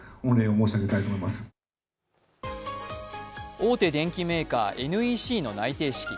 大手電機メーカーＮＥＣの内定式。